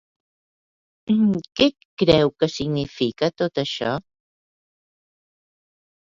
Què creu que significa, tot això?